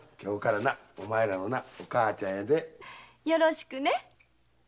よろしくね。